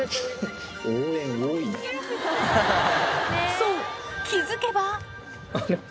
そう気付けばあれ？